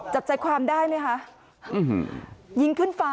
จับใจความได้ไหมคะ